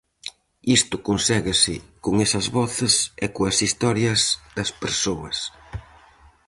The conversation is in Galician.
Isto conséguese con esas voces e coas historias das persoas.